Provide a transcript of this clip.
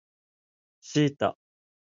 シータ